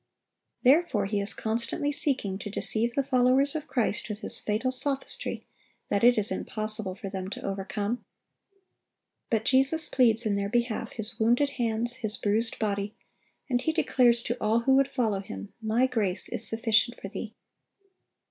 Therefore he is constantly seeking to deceive the followers of Christ with his fatal sophistry that it is impossible for them to overcome. But Jesus pleads in their behalf His wounded hands, His bruised body; and He declares to all who would follow Him, "My grace is sufficient for thee."